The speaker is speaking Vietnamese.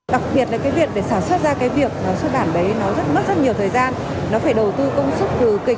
đặc biệt là cái việc để sản xuất ra cái việc